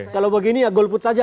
kalau begini ya golput saja